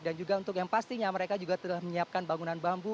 dan juga untuk yang pastinya mereka juga telah menyiapkan bangunan bambu